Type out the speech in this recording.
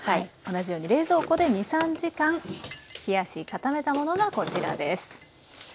同じように冷蔵庫で２３時間冷やし固めたものがこちらです。